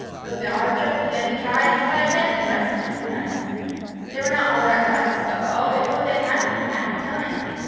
It was a hard trip, and they had to try and try again, and rest between times. They were not all there at once, but oh, it was a happy, happy time!